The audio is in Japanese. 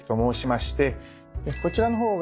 こちらの方が。